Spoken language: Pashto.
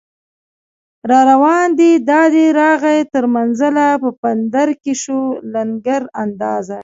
راروان دی دا دی راغی تر منزله، په بندر کې شو لنګر اندازه